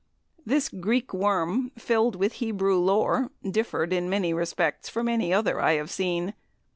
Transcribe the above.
This Greek worm, filled with Hebrew lore, differed in many respects from any other I have seen.